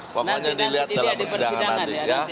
pokoknya dilihat dalam persidangan nanti